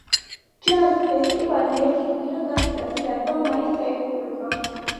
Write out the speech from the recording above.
ჯაზ ფესტივალი ერთი კვირა გასტანს და რვა მაისს დაიხურება.